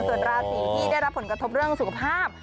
ส่วนราศีที่ได้รับผลกระทบเรื่องสุขภาพ